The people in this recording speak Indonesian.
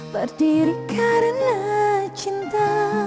berdiri karena cinta